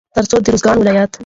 تر څو د روزګان ولايت